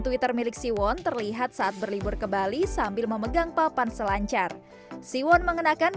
twitter milik siwon terlihat saat berlibur ke bali sambil memegang papan selancar siwon mengenakan